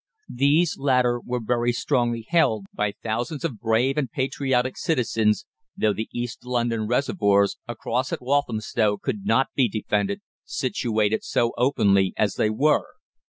These latter were very strongly held by thousands of brave and patriotic citizens, though the East London reservoirs across at Walthamstow could not be defended, situated so openly as they were.